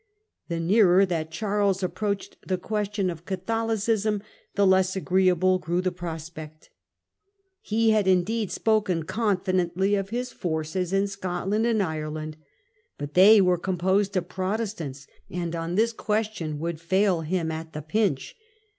The nearer that Charles approached the question of Catholicism the less agreeable grew the prospect. He had indeed spoken confidently of his forces in Scotland and Ireland, but they were composed of Protestants, and, on this question, would fail him at the pinch.